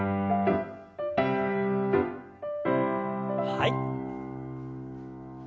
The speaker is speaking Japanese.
はい。